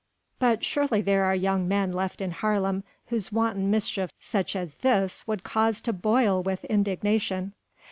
"But surely there are young men left in Haarlem whom wanton mischief such as this would cause to boil with indignation."